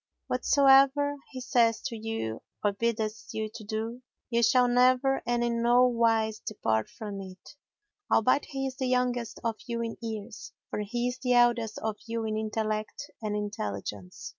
Whatsoever he saith to you or biddeth you to do, ye shall never and in no wise depart from it, albeit he is the youngest of you in years; for he is the eldest of you in intellect and intelligence."